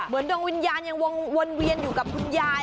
ดวงวิญญาณยังวนเวียนอยู่กับคุณยาย